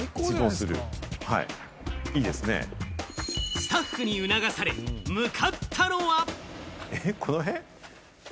スタッフに促され、向かったのは。